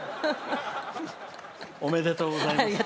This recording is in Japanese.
おめでとうございます。